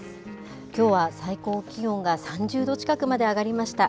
きょうは最高気温が３０度近くまで上がりました。